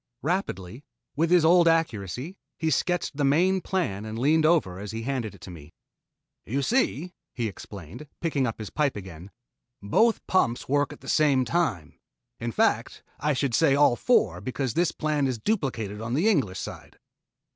Rapidly, with all his old accuracy, he sketched the main plan and leaned over as he handed it to me. [Illustration: PLAN OF UNDER SEA TUBE ] "You see," he explained, picking up his pipe again, "both pumps work at one time in fact, I should say all four, because this plan is duplicated on the English side.